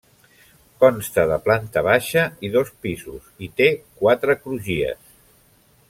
Consta de planta baixa i dos pisos i té quatre crugies.